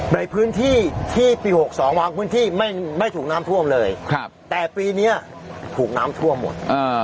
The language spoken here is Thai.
ในพื้นที่ที่ปี๖๒บางพื้นที่ไม่ถูกน้ำท่วมเลยแต่ปีนี้ถูกน้ำท่วมหมด